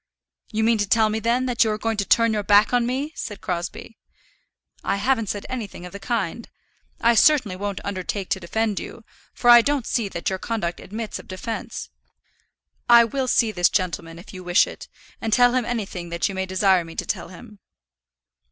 "You mean to tell me, then, that you are going to turn your back on me?" said Crosbie. "I haven't said anything of the kind. I certainly won't undertake to defend you, for I don't see that your conduct admits of defence. I will see this gentleman if you wish it, and tell him anything that you may desire me to tell him."